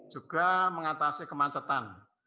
juga mengatasi kemacetan